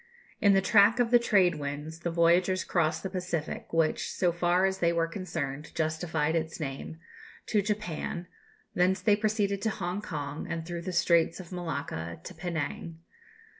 In the track of the trade winds the voyagers crossed the Pacific, which, so far as they were concerned, justified its name, to Japan; thence they proceeded to Hong Kong, and through the Straits of Malacca to Penang.